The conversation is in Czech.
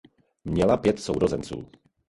Měla pět sourozenců.